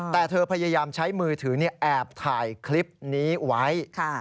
แต่เธอพยายามใช้มือถือแอบถ่ายคลิปนี้ไว้